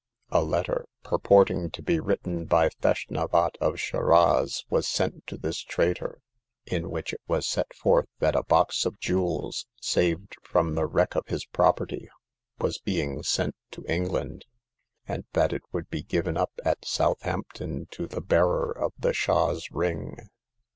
A letter, purporting to be written by Feshnavat, of Shiraz, was sent to this traitor, in which it was set forth that a box of jewels, saved from the wreck of his property, was being sent to Eng land, and that it would be given up at South ampton to the bearer of the Shah's ring.